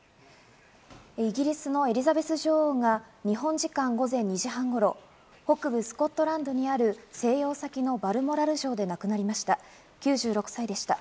イギリスのエリザベス女王が日本時間午前２時半頃、北部スコットランドにある静養先のバルモラル城で亡くなりました。